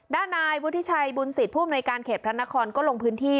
ด้านนายวุฒิชัยบุญสิทธิ์ผู้อำนวยการเขตพระนครก็ลงพื้นที่